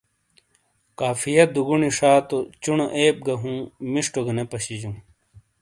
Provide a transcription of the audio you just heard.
قافیہ دُگُنی شا تو چُونو عیب گا ہوں ِمشٹو گا نے پشی جُوں ۔